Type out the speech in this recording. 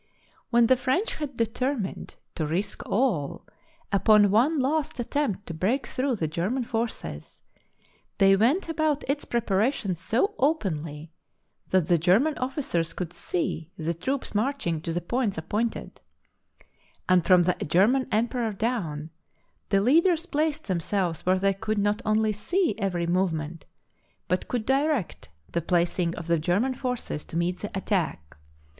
When the French had determined to risk all upon one last attempt to break through the Ger man forces, they went about its preparation so openly that the German officers could see the troops marching to the points appointed; and, from the German Emperor down, the leaders placed them selves where they could not only see every move ment, but could direct the placing of the German forces to meet the attack.